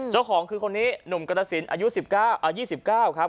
เจ้าของคือคนนี้หนุ่มกรสินอายุ๒๙ครับ